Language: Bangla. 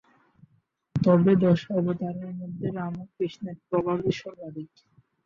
তবে দশ অবতারের মধ্যে রাম ও কৃষ্ণের প্রভাবই সর্বাধিক।